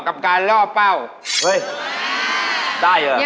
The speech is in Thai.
ต้องการล่อเป้าเห้ยได้เหรอวิธีหญิง